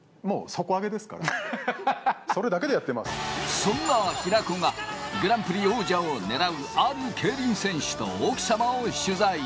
そんな平子が、グランプリ王者を狙うある競輪選手と奥様を取材。